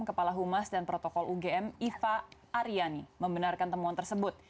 kepala humas dan protokol ugm iva aryani membenarkan temuan tersebut